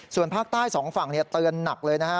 ส่วนภาคใต้สองฝั่งเนี่ยเตือนหนักเลยนะครับ